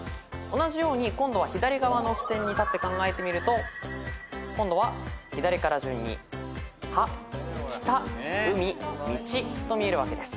同じように今度は左側の視点に立って考えてみると今度は左から順に「はきたうみみち」と見えるわけです。